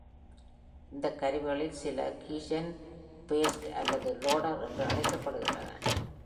இந்த கருவிகளில் சில கீஜென், பேட்ச் அல்லது லோடர் என்று அழைக்கப்படுகின்றன.